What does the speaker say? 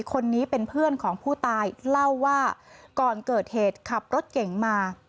คนนี้เป็นเพื่อนของผู้ตายเล่าว่าก่อนเกิดเหตุขับรถเก่งมา